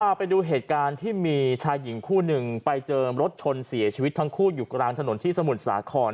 ไปดูเหตุการณ์ที่มีชายหญิงคู่หนึ่งไปเจอรถชนเสียชีวิตทั้งคู่อยู่กลางถนนที่สมุทรสาคร